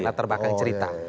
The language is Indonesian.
latar belakang cerita